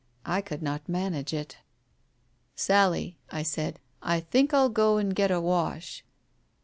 I could not manage it. "Sally," I said, "I think Til go and get a wash."